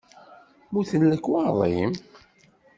Mmuten lekwaɣeḍ-im?